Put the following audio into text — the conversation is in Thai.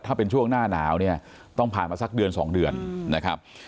ถ้าเป็นช่วงหน้าหนาวเนี่ยต้องผ่านมาสักเดือน๒เดือนนะครับ